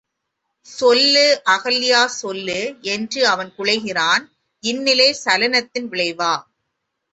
சொல்லு, அகல்யாசொல்லு! என்று அவன் குழைகிறான் இந்நிலை சலனத்தின் விளைவா?